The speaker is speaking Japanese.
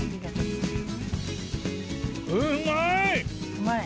うまい？